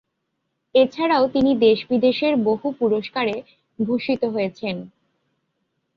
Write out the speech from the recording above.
এছাড়াও তিনি দেশ-বিদেশের বহু পুরস্কারে ভূষিত হেয়েছন।